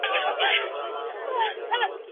موږ د حقايقو په لټه کي يو.